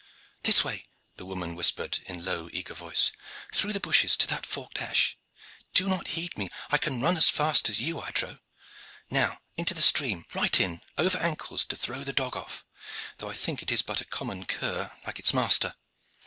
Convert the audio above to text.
"This way!" the woman whispered, in a low eager voice. "Through the bushes to that forked ash. Do not heed me; I can run as fast as you, I trow. Now into the stream right in, over ankles, to throw the dog off, though I think it is but a common cur, like its master."